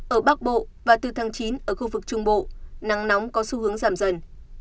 ở bắc bộ và từ tháng chín ở khu vực trung bộ nắng nóng có xu hướng giảm dần